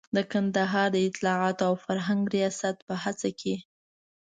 د کندهار د اطلاعاتو او فرهنګ ریاست په هڅه کې.